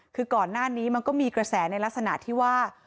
คือก่อนหน้านี้มันก็มีกระแสในลักษณะที่ว่า